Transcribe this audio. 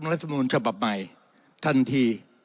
รัฐมนุนฉบับใหม่ทันที